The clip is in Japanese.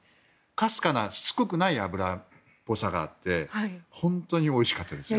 かすかなしつこくない脂っぽさがあって本当においしかったです。